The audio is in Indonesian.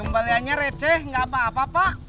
kembaliannya receh nggak apa apa pak